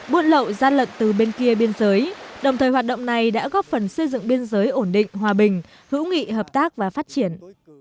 buôn lậu gian lận từ bên kia biên giới đồng thời hoạt động này đã góp phần xây dựng biên giới ổn định hòa bình hữu nghị hợp tác và phát triển